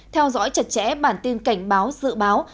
theo dõi chặt chẽ bản tin cảnh báo dự báo